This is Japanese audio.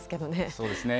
そうですね。